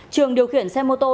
trường điều khiển xe mô tô